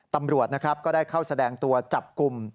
ตำรวจนะครับก็ได้เข้าแสดงตัวจับกลุ่ม